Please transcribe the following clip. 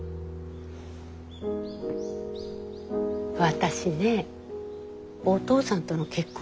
私ねおとうさんとの結婚